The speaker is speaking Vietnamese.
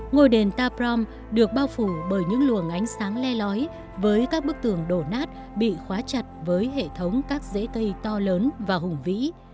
ngôi đền taprom được bao phủ bởi những luồng ánh sáng le lói với các bức tường đổ nát bị khóa chặt với hệ thống các dễ cây to lớn và hùng vĩ